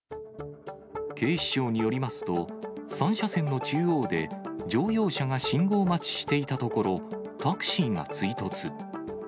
警視庁によりますと、３車線の中央で、乗用車が信号待ちしていたところ、タクシーが追突。